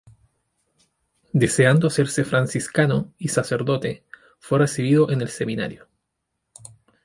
Deseando hacerse franciscano y sacerdote, fue recibido en el seminario.